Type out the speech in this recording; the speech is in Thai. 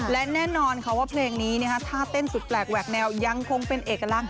และแน่นอนค่ะว่าเพลงนี้ท่าเต้นสุดแปลกแหวกแนวยังคงเป็นเอกลักษณ